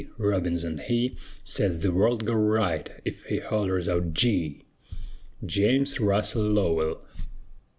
Robinson he Sez the world'll go right, ef he hollers out Gee! JAMES RUSSELL LOWELL.